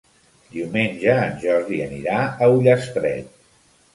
Diumenge en Jordi anirà a Ullastret.